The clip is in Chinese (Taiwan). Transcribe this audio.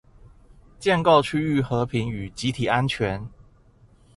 建構區域和平與集體安全